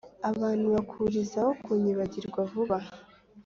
abantu bakurizaho kunyibagirwa vuba